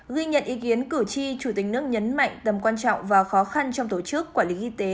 ghi nhận ý kiến cử tri chủ tịch nước nhấn mạnh tầm quan trọng và khó khăn trong tổ chức quản lý y tế